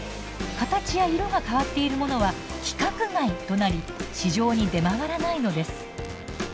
形や色が変わっているものは「規格外」となり市場に出回らないのです。